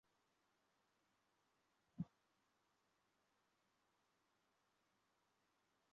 鲜绿凸轴蕨为金星蕨科凸轴蕨属下的一个种。